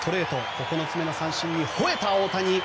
９つ目の三振にほえた、大谷！